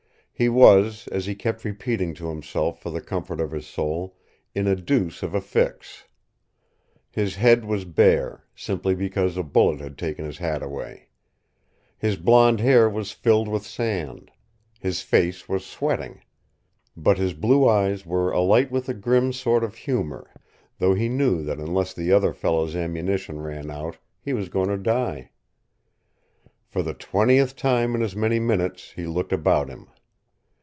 He was, as he kept repeating to himself for the comfort of his soul, in a deuce of a fix. His head was bare simply because a bullet had taken his hat away. His blond hair was filled with sand. His face was sweating. But his blue eyes were alight with a grim sort of humor, though he knew that unless the other fellow's ammunition ran out he was going to die. For the twentieth time in as many minutes he looked about him.